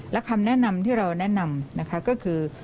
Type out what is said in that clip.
และคำแนะนำที่เราแนะนำนะคะก็คือ